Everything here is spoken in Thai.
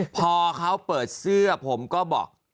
พอเขาเปิดเสื้อผมก็บอก